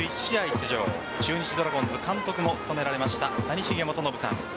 出場中日ドラゴンズ監督も務められた谷繁元信さん